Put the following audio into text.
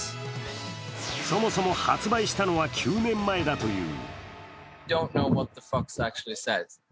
そもそも発売したのは１０年前だという。